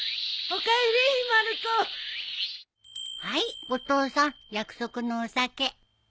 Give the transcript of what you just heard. はいお父さん約束のお酒。